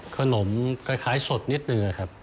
ขนมกลายสดนิดนึงครับ